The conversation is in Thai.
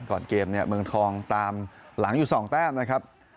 ก่อนเกมเนี่ยเมืองทองตามหลังอยู่๒แต้มนะครับ